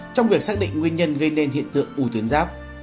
trong việc xác định nguyên nhân gây nên hiện tượng ủ tuyến giáp